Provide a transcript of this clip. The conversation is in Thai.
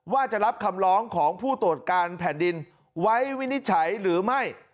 ว่าจะรับคำร้องของผู้ตรวจการแผ่นดินไว้วินิจฉัยหรือไม่